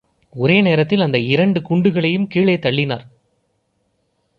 ஒரே நேரத்தில் அந்த இரண்டு குண்டுகளையும் கீழே தள்ளினார்!